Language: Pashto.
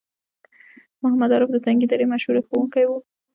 محمد عارف د تنگي درې مشهور ښوونکی وو